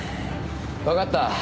わかった。